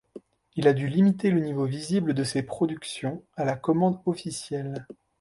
Il a dû limiter le niveau visible de ses productions à la commande officielle.